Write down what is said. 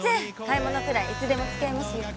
買い物くらいいつでも付き合いますよ。